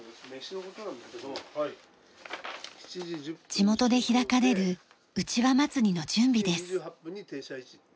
地元で開かれるうちわ祭の準備です。